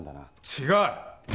違う！